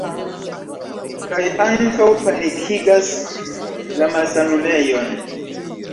Kaj ankaŭ panikigas la malsanulejon.